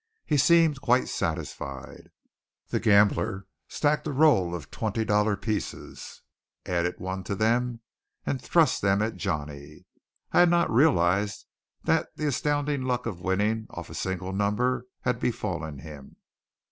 He seemed quite satisfied. The gambler stacked a roll of twenty dollar pieces, added one to them, and thrust them at Johnny. I had not realized that the astounding luck of winning off a single number had befallen him.